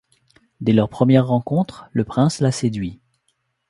Dès leur première rencontre, le prince la séduit.